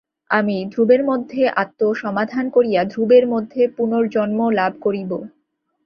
আমি ধ্রুবের মধ্যে আত্মসমাধান করিয়া ধ্রুবের মধ্যে পুনর্জন্ম লাভ করিব।